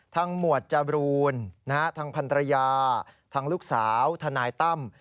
ทั้งหมวดจรูลทั้งพันตระยาทั้งลูกสาวธนายตั้ม